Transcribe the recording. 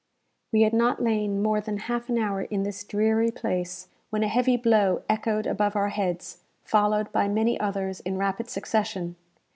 We had not lain more than half an hour in this dreary place, when a heavy blow echoed above our heads, followed by many others in rapid succession.